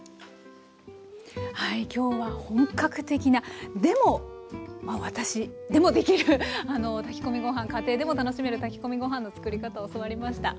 はい今日は本格的なでも私でもできる炊き込みご飯家庭でも楽しめる炊き込みご飯の作り方を教わりました。